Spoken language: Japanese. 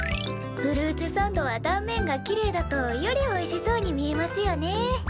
フルーツサンドは断面がきれいだとよりおいしそうに見えますよね。